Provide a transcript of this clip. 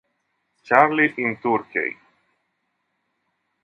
Charlie in Turkey